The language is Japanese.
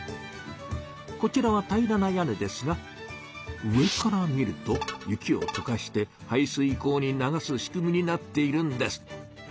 こちらは平らな屋根ですが上から見ると雪を溶かして排水溝に流す仕組みになっているんです。